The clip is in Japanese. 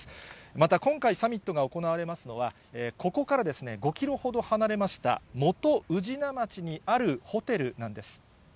また、今回サミットが行われますのは、ここから５キロほど離れました、元宇品町にあるホテルなんです。